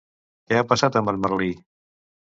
Què ha passat amb en Merlí?